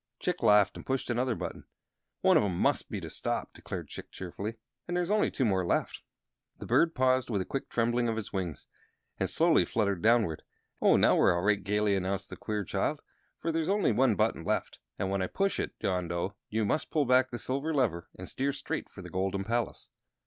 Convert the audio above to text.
Chick laughed and pushed another button. "One of 'em must be to stop," declared Chick, cheerfully; "and there's only two more left." The bird paused, with a quick trembling of its wings, and slowly fluttered downward. "Oh, now we're all right," gayly announced the queer child, "for there's only one button left; and when I push it, John Dough, you must pull back the silver lever and steer straight for the golden palace."